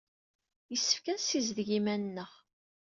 Yessefk ad nessizdig iman-nneɣ.